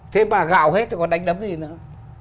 thế mà gạo hết thì còn đánh đấm gì nữa